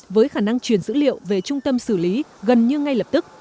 với khả năng truyền dữ liệu về trung tâm xử lý gần như ngay lập tức